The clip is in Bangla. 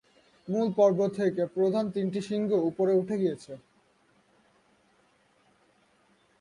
মূল পর্বত থেকে তিনটি প্রধান শৃঙ্গ উপরে উঠে গেছে।